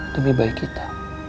demi baik kita